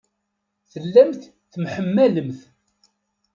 Tellamt temḥemmalemt.